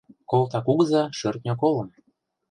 Колта кугыза шӧртньӧ колым